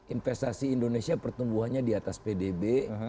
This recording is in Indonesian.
investasi indonesia pertumbuhannya di atas pdb